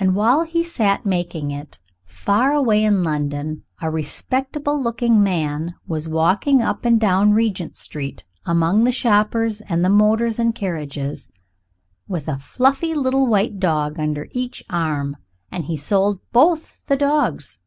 And while he sat making it, far away in London a respectable looking man was walking up and down Regent Street among the shoppers and the motors and carriages, with a fluffy little white dog under each arm. And he sold both the dogs.